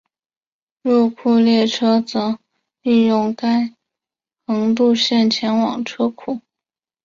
入库列车则利用该横渡线前往车库。